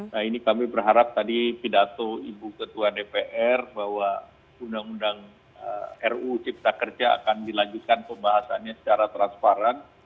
nah ini kami berharap tadi pidato ibu ketua dpr bahwa undang undang ruu cipta kerja akan dilanjutkan pembahasannya secara transparan